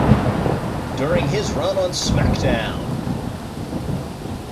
During his run on SmackDown!